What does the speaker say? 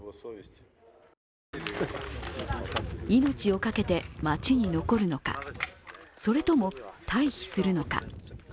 命をかけて街に残るのか、それとも、退避するのか。